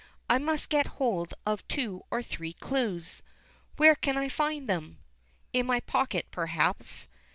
I must get hold of two or three clues. Where can I find them? In my pockets, perhaps.